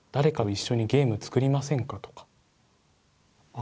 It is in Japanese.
あ。